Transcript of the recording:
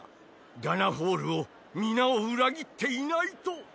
ダナフォールを皆を裏切っていないと。